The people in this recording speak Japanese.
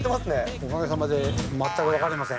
おかげさまで全く分かりません。